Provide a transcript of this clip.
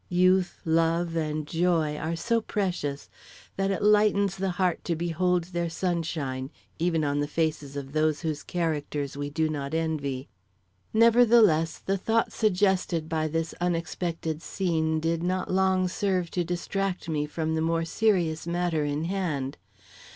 Youth, love, and joy are so precious that it lightens the heart to behold their sunshine even on the faces of those whose characters we do not envy. Nevertheless, the thoughts suggested by this unexpected scene did not long serve to distract me from the more serious matter in hand.